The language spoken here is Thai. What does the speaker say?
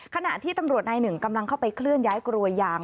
ขณะที่ตำรวจนายหนึ่งกำลังเข้าไปเคลื่อนย้ายกลัวยาง